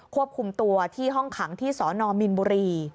ควบคุมตัวที่ห้องขังที่สนมินบุรี